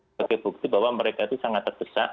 sebagai bukti bahwa mereka itu sangat terdesak